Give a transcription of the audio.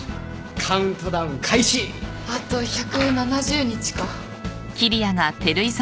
あと１７０日か。